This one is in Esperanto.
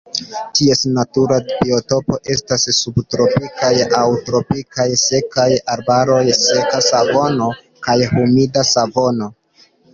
Ties natura biotopo estas subtropikaj aŭ tropikaj sekaj arbaroj, seka savano kaj humida savano.